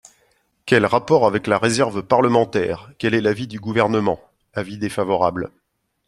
Quel rapport avec la réserve parlementaire ? Quel est l’avis du Gouvernement ? Avis défavorable.